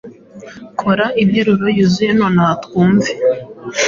Kora interuro yuzuye nonaha twumve.